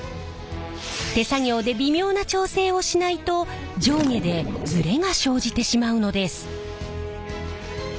手作業で微妙な調整をしないと上下でズレが生じてしまうのです。